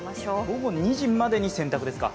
午後２時までに洗濯ですか。